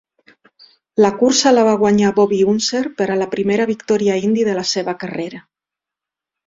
La cursa la va guanyar Bobby Unser per a la primera victòria Indy de la seva carrera.